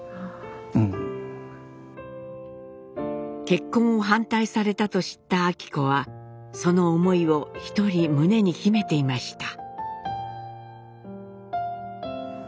結婚を反対されたと知った昭子はその思いを一人胸に秘めていました。